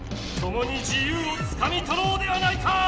ともに自ゆうをつかみとろうではないか！